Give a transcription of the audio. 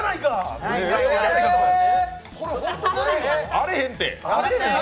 あれへんて！